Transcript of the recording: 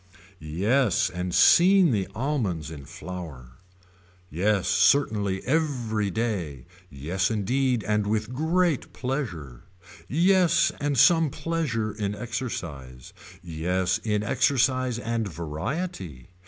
Yes and seen the almonds in flower. Yes certainly every day. Yes indeed and with great pleasure. Yes and some pleasure in exercise. Yes in exercise and variety.